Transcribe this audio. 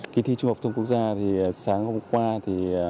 kỳ thi trung học thông quốc gia thì sáng hôm qua